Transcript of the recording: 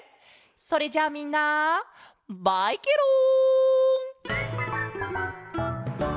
それじゃみんなバイケロン！